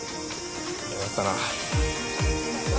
よかったな。